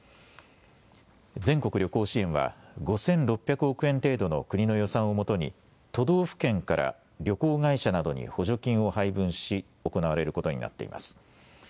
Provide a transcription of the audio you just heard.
全国旅行支援は５６００億円程度の国の予算をもとに都道府県から旅行会社などに補助金を配分し行われることになっています。